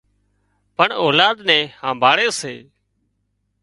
پڻ اولاد نين همڀاۯي سي